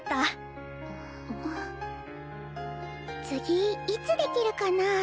次いつできるかな？